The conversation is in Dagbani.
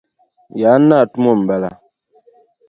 Yaan naa tumo m-bala.